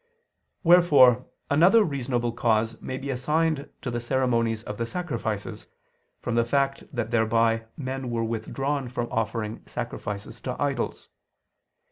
Wherefore another reasonable cause may be assigned to the ceremonies of the sacrifices, from the fact that thereby men were withdrawn from offering sacrifices to idols.